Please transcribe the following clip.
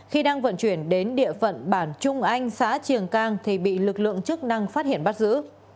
khi đang vận chuyển đến địa phận bản trung anh xã triềng cang thì bị lực lượng chức năng phát hiện bắt giữ